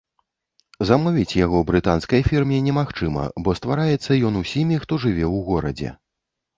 Замовіць яго брытанскай фірме немагчыма, бо ствараецца ён усімі, хто жыве ў горадзе.